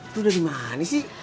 lo udah dimana sih